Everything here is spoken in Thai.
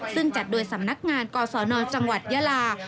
ซึ่งจัดโดยสำนักงานกศนจังหวัดยาลา